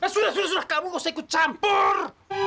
sudah sudah kamu gak usah ikut campur